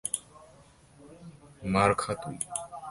মারা খা তুই!